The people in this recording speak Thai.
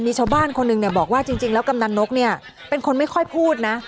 มีชาวบ้านคนหนึ่งเนี่ยบอกว่าจริงแล้วกำนันนกเนี่ยเป็นคนไม่ค่อยพูดนะ